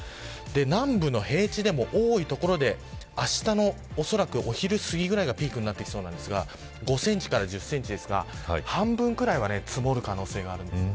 南部の平地でも多い所であしたのおそらくお昼過ぎくらいがピークになりますが５センチから１０センチですが半分ぐらいは積もる可能性があります。